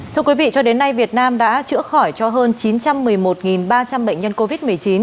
thưa quý vị cho đến nay việt nam đã chữa khỏi cho hơn chín trăm một mươi một ba trăm linh bệnh nhân covid một mươi chín